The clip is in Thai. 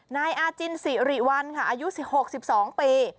นายอาจินสิริวัลค่ะอายุ๖๒ปี